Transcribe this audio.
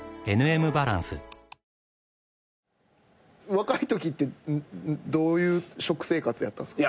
若いときってどういう食生活やったんすか？